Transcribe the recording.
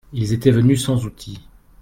Ils étaient venus sans outil.